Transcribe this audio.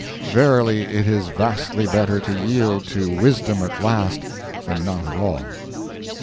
Verily, it is vastly better to yield to wisdom at last, than not at all.